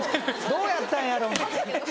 どうやったんやろ？